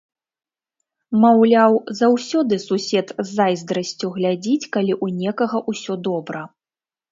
Маўляў, заўсёды сусед з зайздрасцю глядзіць, калі ў некага ўсё добра.